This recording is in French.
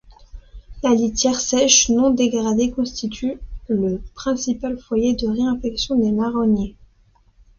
La litière sèche non dégradée constitue donc le principal foyer de réinfestation des marronniers.